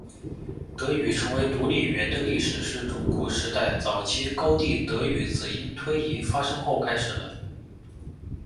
德语成为独立语言的历史是中古时代早期高地德语子音推移发生后开始的。